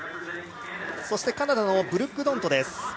そしてカナダのブルック・ドントです。